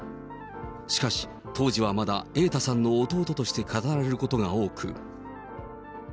しかし、当時はまだ瑛太さんの弟として語られることが多く。